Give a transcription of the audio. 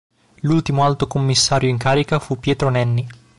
L'ultimo Alto Commissario in carica fu Pietro Nenni.